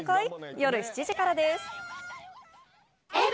夜７時からです。